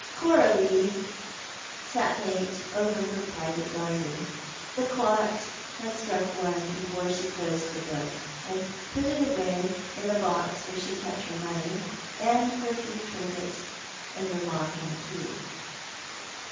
CoBALiE sat late over her private diary. The clocks had struck one before she closed the book and put it away in the box where she kept her money and her few trinkets, under lock and key.